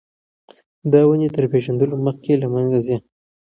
دا ونې تر پېژندلو مخکې له منځه ځي.